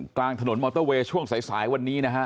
กลางถนนมอเตอร์เวย์ช่วงสายวันนี้นะฮะ